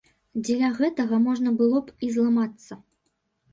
Дзеля гэтага можна было б і зламацца.